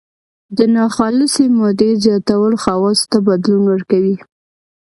د ناخالصې مادې زیاتول خواصو ته بدلون ورکوي.